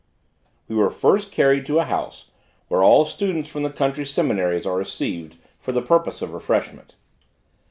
We were first carried to a house, where all students from the country seminaries are received, for the purpose of refreshment.